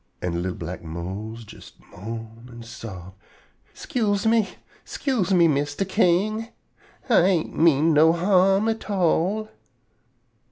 An' li'l black Mose jes moan an' sob: "'Scuse me! 'Scuse me, Mistah King! Ah ain't mean no harm at all."